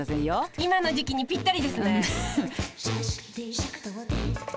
今の時期にぴったりですね。